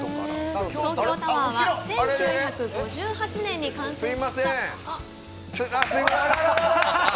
東京タワーは１９５８年に完成した。